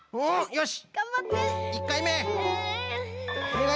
よし！